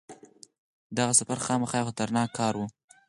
دغه سفر خامخا یو خطرناک کار وو.